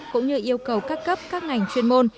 cũng như yêu cầu các cấp các ngành chuyên môn